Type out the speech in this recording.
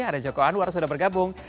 ada joko anwar sudah bergabung